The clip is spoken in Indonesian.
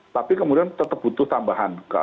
tapi kemudian tetap butuh tambahan duka